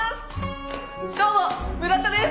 どうも村田です！